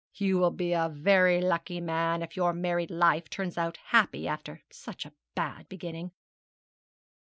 You will be a very lucky man if your married life turns out happy after such a bad beginning.'